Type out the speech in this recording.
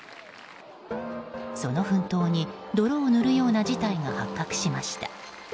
その奮闘に泥を塗るような事態が発覚しました。